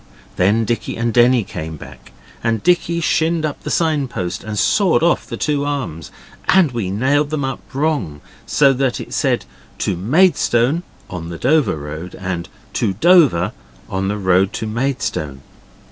Then Dicky and Denny came back, and Dicky shinned up the sign post and sawed off the two arms, and we nailed them up wrong, so that it said 'To Maidstone' on the Dover Road, and 'To Dover' on the road to Maidstone.